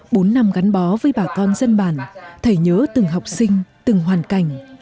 bốn năm gắn bó với bà con dân bản thầy nhớ từng học sinh từng hoàn cảnh